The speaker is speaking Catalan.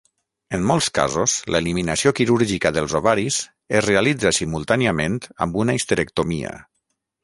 En molts casos, l'eliminació quirúrgica dels ovaris es realitza simultàniament amb una histerectomia.